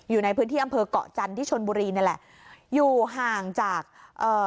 อยู่ในพื้นที่อำเภอกเกาะจันทร์ที่ชนบุรีนี่แหละอยู่ห่างจากเอ่อ